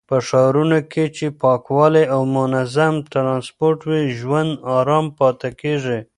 په ښارونو کې چې پاکوالی او منظم ټرانسپورټ وي، ژوند آرام پاتې کېږي.